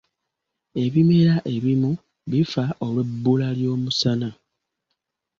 Ebimera ebimu bifa olw'ebbula ly'omusana.